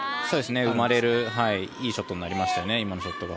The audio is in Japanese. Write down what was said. それも生まれるいいショットになりましたね。